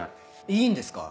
いいんですか？